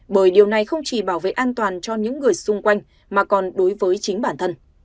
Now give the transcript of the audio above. bởi điều này không chỉ bảo vệ an toàn cho những người xung quanh mà còn đối với chính bản thân